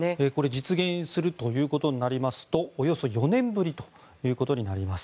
実現するということになりますとおよそ４年ぶりということになります。